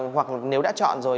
hoặc nếu đã chọn rồi